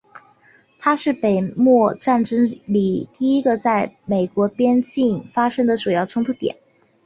它是美墨战争里第一个在美国边境发生的主要冲突点。